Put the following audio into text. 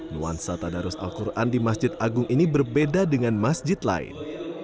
nuansa tadarus al quran di masjid agung ini berbeda dengan masjid lain